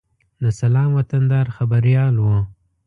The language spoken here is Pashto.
د سلام وطندار خبریال و.